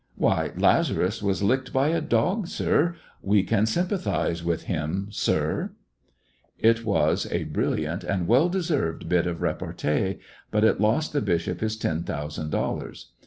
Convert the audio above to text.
"Why, Lazarus was licked by a dog, sir. We can sympathize with him, sir 1 " It was a brilliant and well deserved bit of repartee, but it lost the bishop his ten thou sand dollars.